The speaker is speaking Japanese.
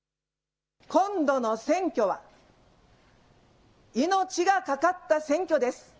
今度の選挙は命がかかった選挙です。